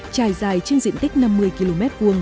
trài dài trên diện tích năm mươi km hai